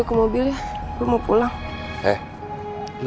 aku denger suara riri